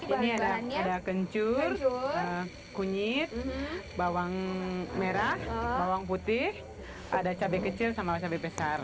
ini ada kencur kunyit bawang merah bawang putih ada cabai kecil sama cabai besar